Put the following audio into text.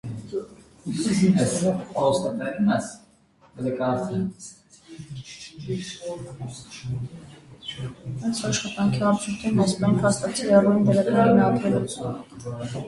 Այս աշխատանքի արդյունքներն այս պահին փաստացի հեռու են դրական գնահատվելուց: